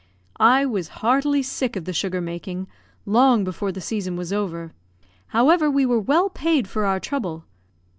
I was heartily sick of the sugar making, long before the season was over; however, we were well paid for our trouble.